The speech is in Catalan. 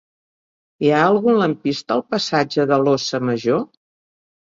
Hi ha algun lampista al passatge de l'Óssa Major?